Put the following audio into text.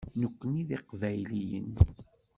Nekkni d iqbayliyen.